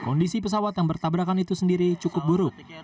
kondisi pesawat yang bertabrakan itu sendiri cukup buruk